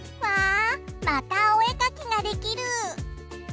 またお絵描きができる！